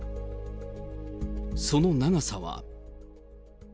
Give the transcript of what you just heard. その長さは。